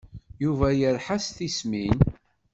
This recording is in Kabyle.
Yuba yerḥa s tismin.